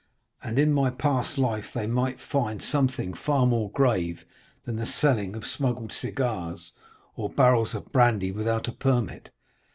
And in my past life they might find something far more grave than the selling of smuggled cigars, or barrels of brandy without a permit.